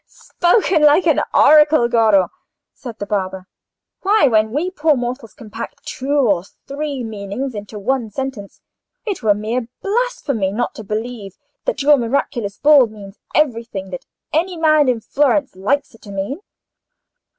"Spoken like an oracle, Goro!" said the barber. "Why, when we poor mortals can pack two or three meanings into one sentence, it were mere blasphemy not to believe that your miraculous bull means everything that any man in Florence likes it to mean."